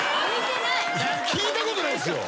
聞いたことないっすよ。